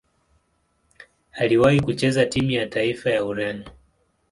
Aliwahi kucheza timu ya taifa ya Ureno.